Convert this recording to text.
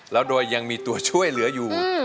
แล้วโดยยังมีตัวช่วยเหลืออยู่